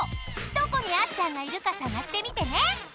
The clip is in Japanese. ［どこにあっちゃんがいるか探してみてね］